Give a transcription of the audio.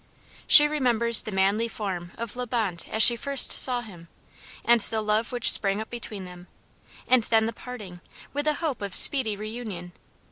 She remembers the manly form of La Bonte as she first saw him, and the love which sprang up between them; and then the parting, with the hope of speedy reunion.